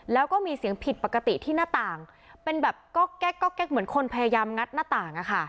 แล้วก็มีเสียงผิดปกติที่หน้าต่างเป็นแบบก๊อกแก๊กเหมือนคนพยายามงัดหน้าต่าง